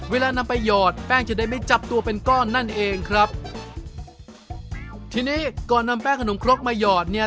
เวลานำไปหยอดแป้งจะได้ไม่จับตัวเป็นก้อนนั่นเองครับทีนี้ก่อนนำแป้งขนมครกมาหยอดเนี่ย